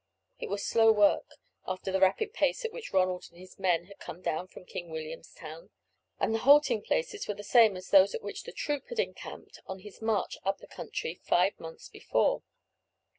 It was slow work, after the rapid pace at which Ronald and his men had come down from King Williamstown, and the halting places were the same as those at which the troop had encamped on its march up the country five months before.